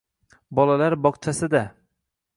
Bolalar bog‘chasida